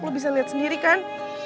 lu bisa liat sendiri kan